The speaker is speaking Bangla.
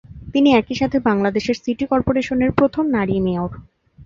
তিনি একই সাথে বাংলাদেশের সিটি কর্পোরেশনের প্রথম নারী মেয়র।